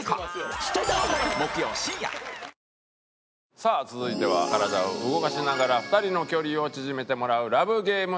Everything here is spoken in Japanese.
さあ続いては体を動かしながら２人の距離を縮めてもらうＬＯＶＥＧＡＭＥ